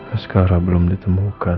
askara belum ditemukan